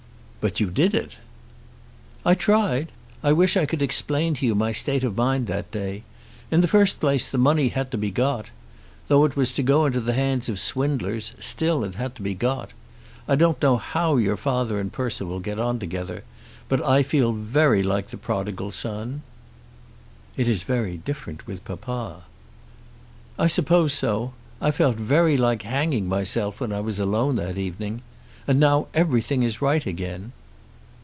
"But you did it!" "I tried. I wish I could explain to you my state of mind that day. In the first place the money had to be got. Though it was to go into the hands of swindlers, still it had to be paid. I don't know how your father and Percival get on together; but I felt very like the prodigal son." "It is very different with papa." "I suppose so. I felt very like hanging myself when I was alone that evening. And now everything is right again."